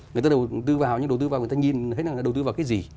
người ta đầu tư vào những đầu tư vào người ta nhìn thấy là đầu tư vào cái gì